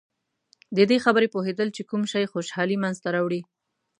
د دې خبرې پوهېدل چې کوم شی خوشحالي منځته راوړي.